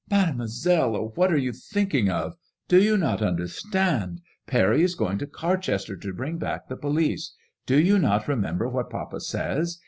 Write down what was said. " Mademoiselle, oh, what are you thinking of? Do you not understand ? Parry is going to Carchester to bring back the police. Do you not remember what papa says?